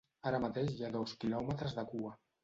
Ara mateix hi ha dos quilòmetres de cua.